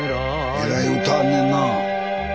えらい歌あんねんな。